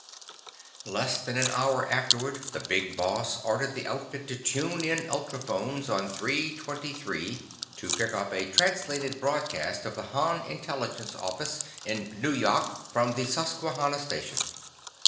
] Less than an hour afterward the Big Boss ordered the outfit to tune in ultrophones on three twenty three to pick up a translated broadcast of the Han intelligence office in Nu yok from the Susquanna station.